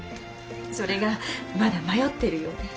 それがまだ迷ってるようで。